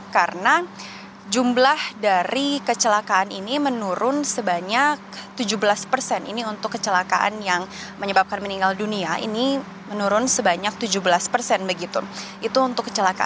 karena jumlah dari kecelakaan ini menurun sebanyak tujuh belas ini untuk kecelakaan yang menyebabkan meninggal dunia